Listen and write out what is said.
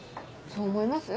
そう思います？